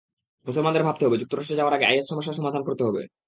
মুসলমানদের ভাবতে হবে, যুক্তরাষ্ট্রে যাওয়ার আগে আইএস সমস্যার সমাধান করতে হবে।